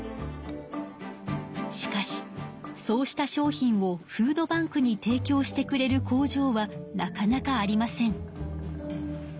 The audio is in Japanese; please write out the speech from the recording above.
しかしそうした商品をフードバンクに提きょうしてくれる工場はなかなかありません。